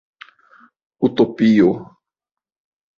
Utopio!